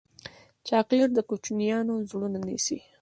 چاکلېټ د کوچنیانو زړونه نیسي.